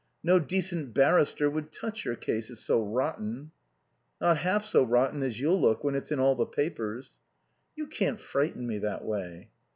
No decent barrister would touch your case, it's so rotten." "Not half so rotten as you'll look when it's in all the papers." "You can't frighten me that way."